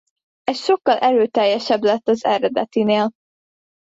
Ez sokkal erőteljesebb lett az eredetinél.